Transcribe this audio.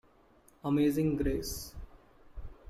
Amazing Grace.